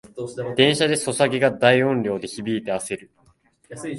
電車でソシャゲが大音量で響いてあせる